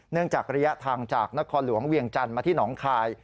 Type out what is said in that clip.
จากระยะทางจากนครหลวงเวียงจันทร์มาที่หนองคาย